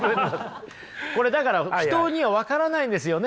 これだから人には分からないんですよね。